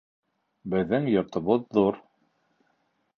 Беҙҙең йортобоҙ ҙур